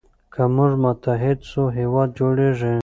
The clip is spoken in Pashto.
که موږ متحد سو هېواد جوړیږي.